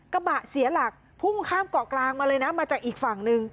กระบะเสียหลักพุ่งข้ามเกาะกลางมาเลยนะมาจากอีกฝั่งหนึ่ง